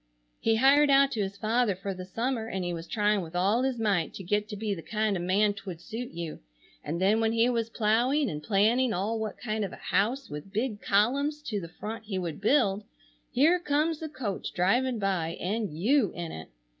He hired out to his father for the summer and he was trying with all his might to get to be the kind of man t'would suit you, and then when he was plowing and planning all what kind of a house with big columns to the front he would build here comes the coach driving by and you in it!